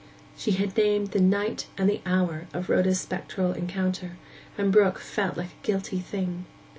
She had named the night and the hour of Rhoda's spectral encounter, and Brook felt like a guilty thing.